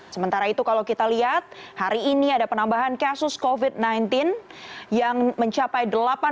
sementara itu kalau kita lihat hari ini ada penambahan kasus covid sembilan belas yang mencapai delapan puluh